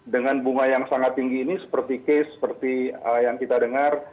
dengan bunga yang sangat tinggi ini seperti case seperti yang kita dengar